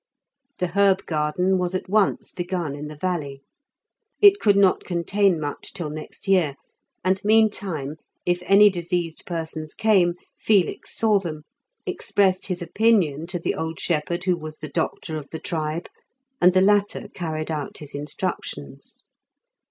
The herb garden was at once begun in the valley; it could not contain much till next year, and meantime if any diseased persons came Felix saw them, expressed his opinion to the old shepherd who was the doctor of the tribe, and the latter carried out his instructions.